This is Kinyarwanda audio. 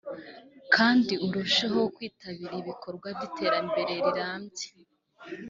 kandi arusheho kwitabira ibikorwa by’iterambere rirambye